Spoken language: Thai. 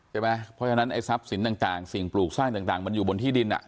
ใช่ไหมเพราะฉะนั้นไอ้ทรัพย์สินต่างสิ่งปลูกสร้างต่างมันอยู่บนที่ดินอ่ะ